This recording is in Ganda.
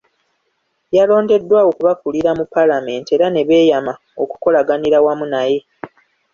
Yalondeddwa okubakulira mu Paalamenti era ne beeyama okukolaganira awamu naye.